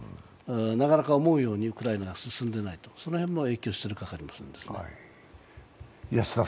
なかなか思うようにウクライナ進んでいないとその辺も影響しているかもしれませんね。